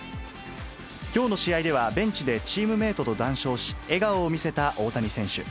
きょうの試合では、ベンチでチームメートと談笑し、笑顔を見せた大谷選手。